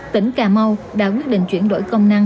tỉnh cà mau đã quyết định chuyển đổi công năng